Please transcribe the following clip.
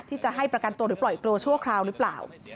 ที่จะให้ประกันตัวหรือปล่อยตัวชั่วคราวหรือเปล่า